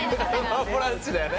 ワンボランチだよね。